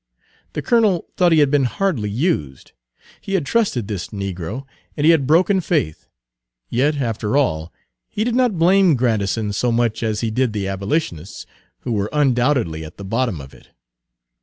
The colonel thought he had been hardly used; he had trusted this negro, and he had broken faith. Yet, after all, he did not blame Grandison so much as he did the abolitionists, who were undoubtedly at the bottom of it.